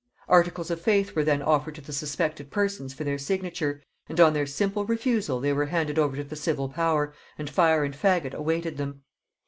Articles of faith were then offered to the suspected persons for their signature, and on their simple refusal they were handed over to the civil power, and fire and faggot awaited them.